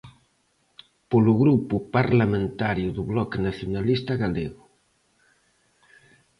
Polo Grupo Parlamentario do Bloque Nacionalista Galego.